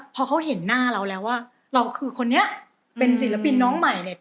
พอเขาเห็นหน้าเราแล้วว่าเราคือคนนี้เป็นศิลปินน้องใหม่เนี่ย